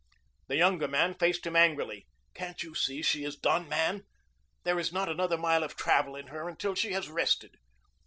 The younger man faced him angrily. "Can't you see she is done, man? There is not another mile of travel in her until she has rested."